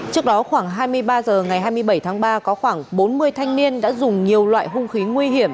trước đó khoảng hai mươi ba h ngày hai mươi bảy tháng ba có khoảng bốn mươi thanh niên đã dùng nhiều loại hung khí nguy hiểm